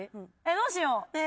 どうしよう？